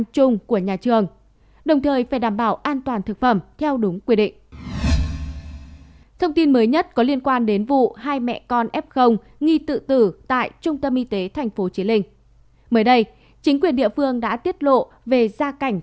thực hiện thở osteomax